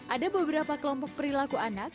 ada beberapa kelompok perilaku anak